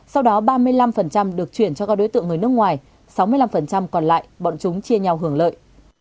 sau đó ba mươi năm được chuyển cho các đối tượng người nước ngoài sáu mươi năm còn lại bọn chúng chia nhau hưởng lợi